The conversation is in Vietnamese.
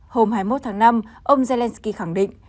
hôm hai mươi một tháng năm ông zelensky khẳng định